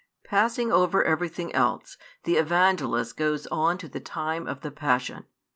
Passing over everything else, the Evangelist goes on to the time of the passion.